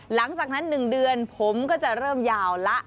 หลังจากนั้น๑เดือนผมก็จะเริ่มยาวละ